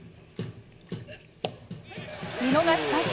見逃し三振。